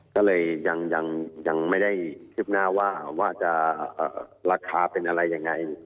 ก็เลยยังไม่ได้คืบหน้าว่าจะราคาเป็นอะไรยังไง